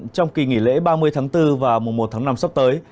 trong kỳ nghỉ lễ ba mươi tháng bốn và mùa một tháng năm sắp tới